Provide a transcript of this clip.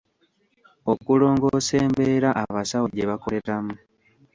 Okulongoosa embeera abasawo gye bakoleramu.